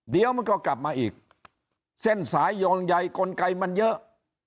เดี๋ยวมันก็กลับมาอีกเส้นสายโยงใยกลไกมันเยอะ